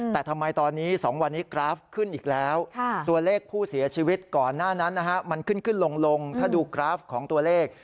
แต่ทำไมตอนนี้๒วันนี้กราฟขึ้นอีกแล้วตัวเลขผู้เสียชีวิตก่อนหน้านั้นมันขึ้นขึ้นลงถ้าดูกราฟของตัวเลข